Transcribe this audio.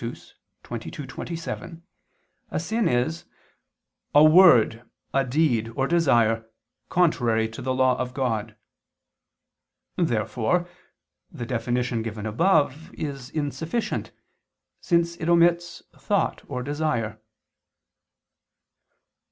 xxii, 27), a sin is a "word, deed, or desire contrary to the law of God." Therefore the definition given above is insufficient, since it omits "thought" or "desire."